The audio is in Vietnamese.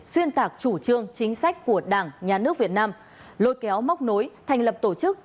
xuyên tạc chủ trương chính sách của đảng nhà nước việt nam lôi kéo móc nối thành lập tổ chức